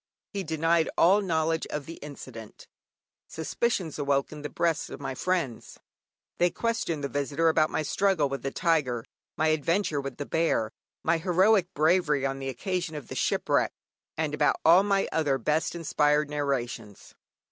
He denied all knowledge of the incident. Suspicions awoke in the breasts of my friends. They questioned the visitor about my struggle with the tiger, my adventure with the bear, my heroic bravery on the occasion of the shipwreck, and about all my other best inspired narrations.